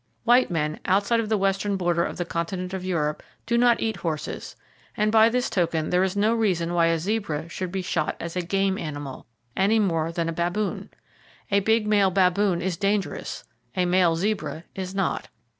White men, outside of the western border of the continent of Europe, do not eat horses; and by this token there is no reason why a zebra should be shot as a "game" animal, any more than a baboon. A big male baboon is dangerous; a male zebra is not.